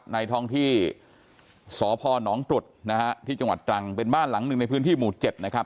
ท้องที่สพนตรุษนะฮะที่จังหวัดตรังเป็นบ้านหลังหนึ่งในพื้นที่หมู่๗นะครับ